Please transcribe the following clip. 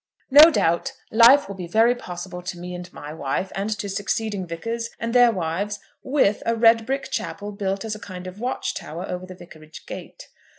No doubt life will be very possible to me and my wife, and to succeeding vicars and their wives, with a red brick chapel built as a kind of watch tower over the Vicarage gate.